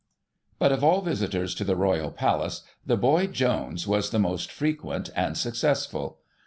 But of all visitors to the Royal Palace, THE BOY JONES was the most frequent and successful.